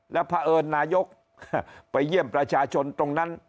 แล้วพระเอิญนายกไปเยี่ยมประชาชนตรงนั้น